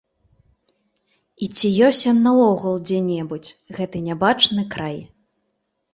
І ці ёсць ён наогул дзе-небудзь, гэты нябачаны край?